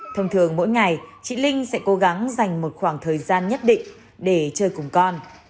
thông thường mỗi ngày chị linh sẽ cố gắng dành một khoảng thời gian nhất định để chơi cùng con